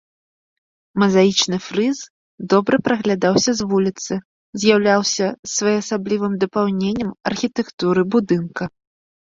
Мазаічны фрыз добра праглядаўся з вуліцы, з'яўляўся своеасаблівым дапаўненнем архітэктуры будынка.